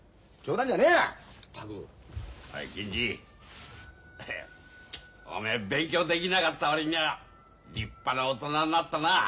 おい銀次おめえ勉強できなかった割には立派な大人になったな。